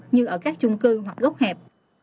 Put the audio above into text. như ở các chung cư hoặc gốc hẹp